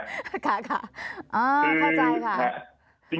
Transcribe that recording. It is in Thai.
ค่ะเข้าใจค่ะ